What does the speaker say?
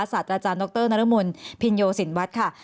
สัตว์อาจารย์ดรนรมุนพิญโยศิลป์วัดค่ะ